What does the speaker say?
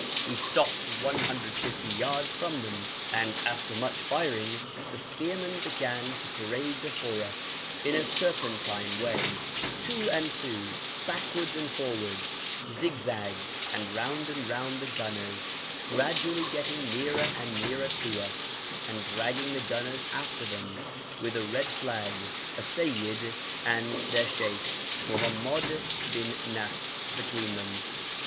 We stopped 150 yards from them, and after much more firing the spearmen began to parade before us in a serpentine way, two and two, backwards and forwards, zigzag, and round and round the gunners, gradually getting nearer and nearer to us, and dragging the gunners after them, with a red flag, a seyyid, and their sheikh, Mohommod bin Nasr, between them.